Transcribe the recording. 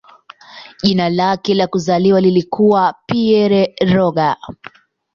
Jina lake la kuzaliwa lilikuwa "Pierre Roger".